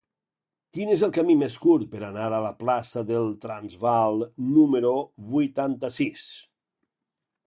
Quin és el camí més curt per anar a la plaça del Transvaal número vuitanta-sis?